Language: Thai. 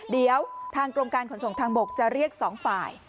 เดี๋ยวทางกรมการขนส่งทางบกจะเรียกสองฝ่าย